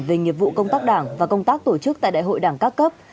về nghiệp vụ công tác đảng và công tác tổ chức tại đại hội đảng các cấp